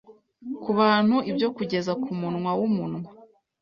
Kubantu ibyo kugeza kumunwa wumunwa